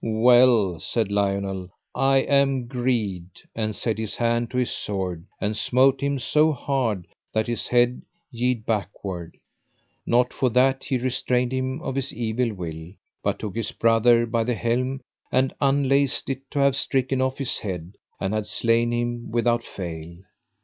Well, said Lionel, I am greed; and set his hand to his sword and smote him so hard that his head yede backward. Not for that he restrained him of his evil will, but took his brother by the helm, and unlaced it to have stricken off his head, and had slain him without fail.